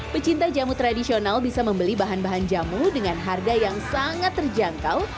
pecinta jamu tradisional bisa membeli bahan bahan jamu dengan harga yang sangat terjangkau